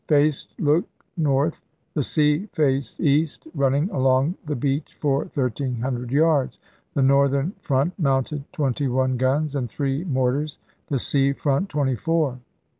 The land face looked north ; the sea face east, running along the beach for thirteen hundred yards. The northern front mounted twenty one guns and three mortars, the sea front twenty four.